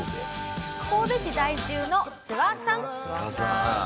神戸市在住のツワさん。